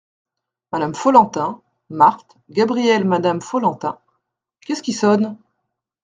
Madame Follentin, Marthe, Gabriel Madame Follentin. — Qu’est-ce qui sonne ?